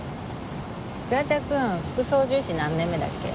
倉田くん副操縦士何年目だっけ？